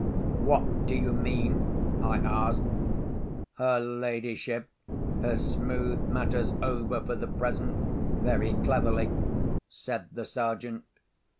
"What do you mean?" I asked. "Her ladyship has smoothed matters over for the present very cleverly," said the Sergeant.